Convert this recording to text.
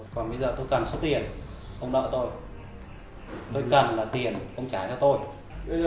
còn bây giờ tôi cần số tiền ông đợi tôi tôi cần là tiền ông trả cho tôi